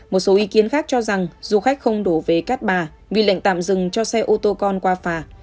một số ý kiến khác cho rằng du khách không đổ về cát bà vì lệnh tạm dừng cho xe ô tô con qua phà